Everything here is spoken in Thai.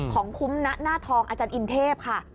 ของคุ้มณหน้าทองอาจารย์อินเทพค่ะ